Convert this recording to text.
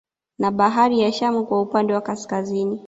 Na bahari ya Shamu kwa upande wa Kaskazini